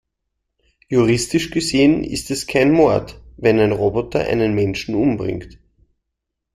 Juristisch gesehen ist es kein Mord, wenn ein Roboter einen Menschen umbringt.